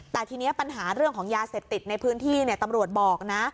แต่ทีนี้ปัญหาเรื่องของยาเสพติดในพื้นที่ตำรวจบอกนะ